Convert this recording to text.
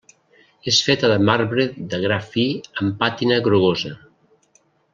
És feta de marbre de gra fi amb pàtina grogosa.